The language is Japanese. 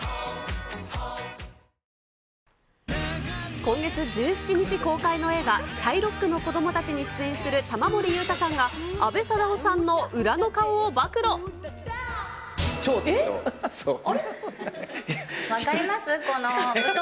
今月１７日公開の映画、シャイロックの子供たちに出演する玉森裕太さんが、阿部サダヲさ超テキトー。